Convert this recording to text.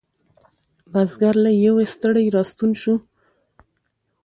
بزگر له یویې ستړی را ستون شو.